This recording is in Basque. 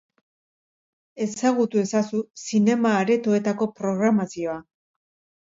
Ezagutu ezazu zinema-aretoetako programazioa.